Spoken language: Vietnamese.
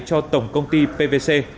cho tổng công ty pvc